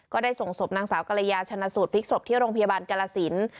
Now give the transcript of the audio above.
ก็ได้ส่งศพนางสาวกรยาชนะสูตรพลิกศพที่โรงพยาบาลกรสิน